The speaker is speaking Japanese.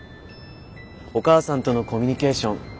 お母さんとのコミュニケーション